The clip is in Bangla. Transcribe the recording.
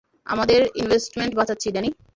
আমাদের ইনভেস্টমেন্ট বাঁচাচ্ছি, ড্যানি।